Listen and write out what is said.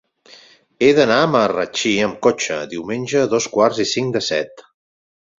He d'anar a Marratxí amb cotxe diumenge a dos quarts i cinc de set.